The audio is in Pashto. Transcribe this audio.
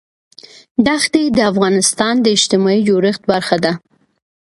دښتې د افغانستان د اجتماعي جوړښت برخه ده.